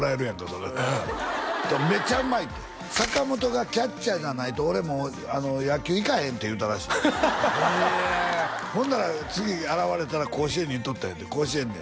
それだからめっちゃうまいって坂本がキャッチャーじゃないと俺もう野球行かへんって言うたらしいへえほんなら次現れたら甲子園に行っとったんやて甲子園でね